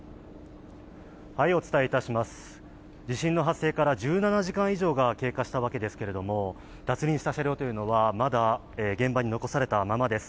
地震の発生から１７時間以上が経過したわけですけれども、脱輪した車両は、まだ現場に残されたままです。